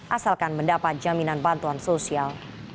asalkan mendapat jaminan bantuan sosial